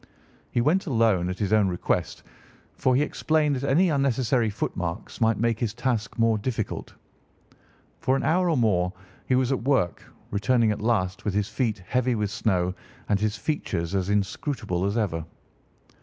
He went alone, at his own request, for he explained that any unnecessary footmarks might make his task more difficult. For an hour or more he was at work, returning at last with his feet heavy with snow and his features as inscrutable as ever.